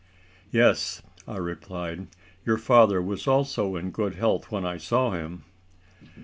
"Yes," I replied, "your father was also in good health when I saw him."